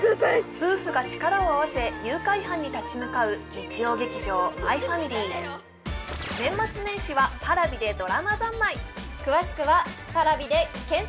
夫婦が力を合わせ誘拐犯に立ち向かう日曜劇場「マイファミリー」年末年始はＰａｒａｖｉでドラマ三昧詳しくはパラビで検索